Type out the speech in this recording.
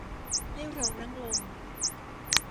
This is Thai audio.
ให้เรานั่งลง